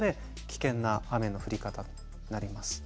危険な雨の降り方になります。